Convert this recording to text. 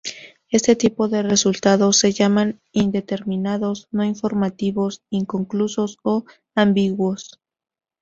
Este tipo de resultados se llaman indeterminados, no informativos, inconclusos, o ambiguos.